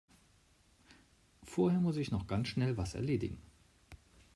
Vorher muss ich noch ganz schnell was erledigen.